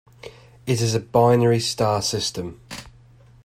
It is a binary star system.